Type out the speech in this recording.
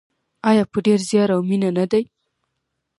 آیا په ډیر زیار او مینه نه دی؟